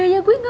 ya gue gak mau